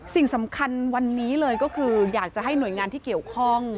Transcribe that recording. สิ่งสำคัญวันนี้เลยก็คืออยากจะให้หน่วยงานที่เกี่ยวข้อง